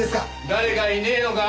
誰かいねえのか？